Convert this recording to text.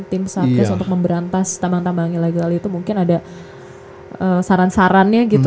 tim satgas untuk memberantas tambang tambang ilegal itu mungkin ada saran sarannya